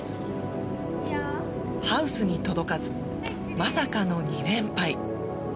ハウスに届かずまさかの２連敗。